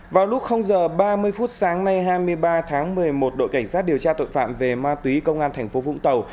vào lúc giờ ba mươi phút sáng nay hai mươi ba tháng một mươi một đội cảnh sát điều tra tội phạm về ma túy công an thành phố vũng tàu